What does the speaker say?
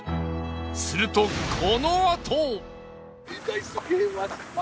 するとこのあと！